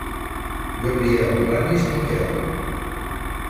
Gabriel Ramis Miquel.